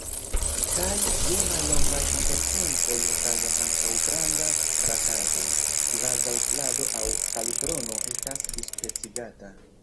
Kaj je mallongaj intertempoj okazas ankaŭ granda krakado. kvazaŭ plado aŭ kaldrono estas dispecigata.